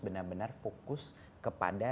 benar benar fokus kepada